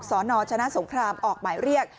สนชนะสงครามออกหมายเรียก